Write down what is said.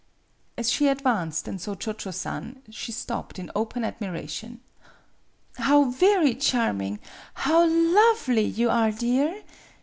" As she advanced and saw Cho Cho San, she stopped in open admiration. "How very charming how lovely you are, dear!